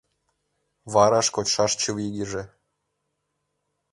Вараш кочшаш чывигыже